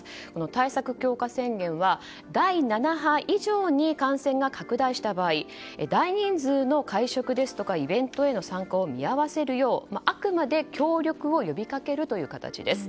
対策強化宣言は、第７波以上に感染が拡大した場合大人数の会食ですとかイベントの開催を見合わせるよう、あくまで協力を呼びかけるという形です。